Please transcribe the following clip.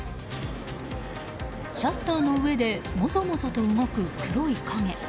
シャッターの上でもぞもぞと動く黒い影。